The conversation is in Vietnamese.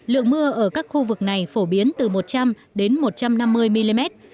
lượng mưa ở các khu vực này phổ biến từ một trăm linh đến một trăm năm mươi mm